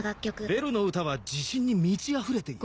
「ベルの歌は自信に満ちあふれている」。